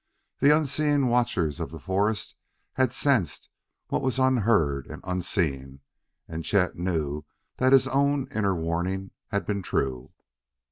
The unseeing watchers of the forest had sensed what was unheard and unseen, and Chet knew that his own inner warning had been true.